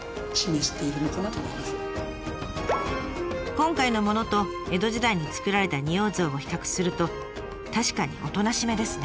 今回のものと江戸時代に作られた仁王像を比較すると確かにおとなしめですね。